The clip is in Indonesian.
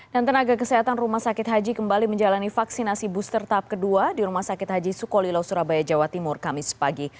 dan tenaga kesehatan rumah sakit haji kembali menjalani vaksinasi booster tahap kedua di rumah sakit haji sukolilo surabaya jawa timur kamis pagi